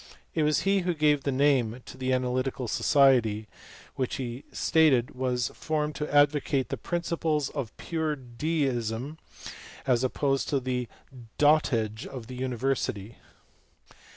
It was he who gave the name to the Analytical Society, which he stated was formed to advocate " the principles of pure d isrn as opposed to the dW age of the university."